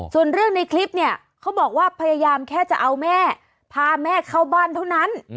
ส่วนเรื่องในคลิปเนี่ยเขาบอกว่าพยายามแค่จะเอาแม่พาแม่เข้าบ้านเท่านั้น